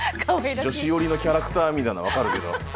女子よりのキャラクターみたいな分かるけど。